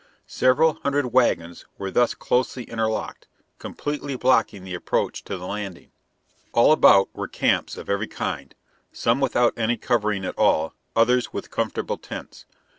Several hundred wagons were thus closely interlocked, completely blocking the approach to the landing. All about were camps of every kind, some without any covering at all, others with comfortable tents.